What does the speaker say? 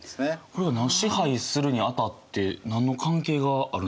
これを支配するにあたって何の関係があるんですか？